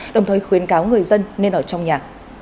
đồng thời khuyến cáo người dân nên ở trong nhà